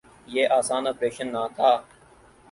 یہ آسان آپریشن نہ تھا۔